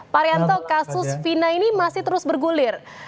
pak arianto kasus fina ini masih terus bergulir